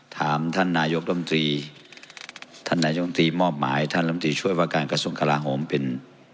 ถามท่านนายกรมตรีท่านนายกรรมตรีมอบหมายท่านลำตีช่วยว่าการกระทรวงกลาโหมเป็น